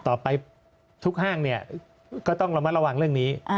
ต่อไปทุกห้างเนี่ยก็ต้องระมัดระวังเรื่องนี้